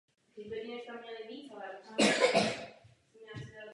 Obchodní politika může úzce spolupracovat s rozvojovou politikou.